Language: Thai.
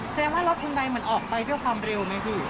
อ๋อเสียงว่ารถคุณใดเหมือนออกไปด้วยความเร็วไหมพี่